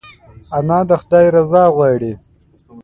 انا د خدای رضا غواړي